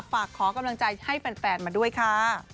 ฝากขอกำลังใจให้แฟนมาด้วยค่ะ